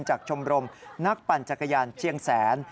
ชมรมนักปั่นจักรยานเชียงแสน